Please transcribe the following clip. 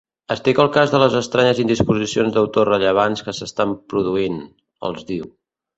Estic al cas de les estranyes indisposicions d'autors rellevants que s'estan produint —els diu—.